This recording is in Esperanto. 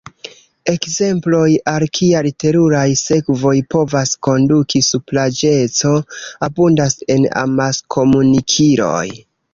Ekzemploj, al kiaj teruraj sekvoj povas konduki supraĵeco, abundas en amaskomunikiloj.